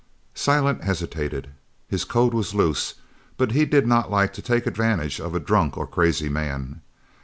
Silent hesitated. His code was loose, but he did not like to take advantage of a drunk or a crazy man.